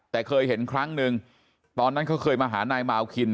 แต่เคยเห็นครั้งหนึ่งตอนนั้นเขาเคยมาหานายมาวคิน